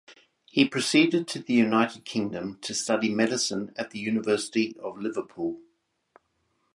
He proceeded to the United Kingdom to study medicine at the University of Liverpool.